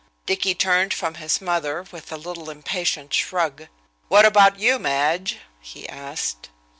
Dicky turned from his mother with a little impatient shrug. "What about you, Madge?" he asked.